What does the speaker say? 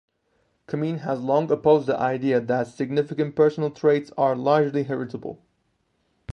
Kamin has long opposed the idea that significant personal traits are largely heritable.